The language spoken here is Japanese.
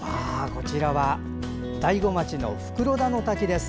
こちらは大子町の袋田の滝です。